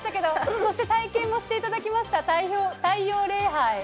そして体験もしていただきました太陽礼拝。